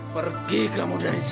pergi kamu dari sini